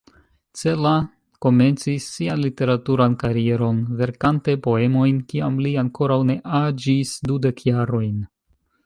Cela komencis sian literaturan karieron verkante poemojn kiam li ankoraŭ ne aĝis dudek jarojn.